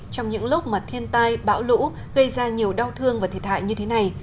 trong những lúc mà thiên tai bão lũ gây ra nhiều đau thương và thiệt hại như thế này